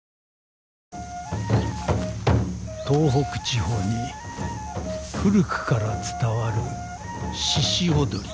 東北地方に古くから伝わるしし踊り。